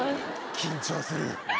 緊張する。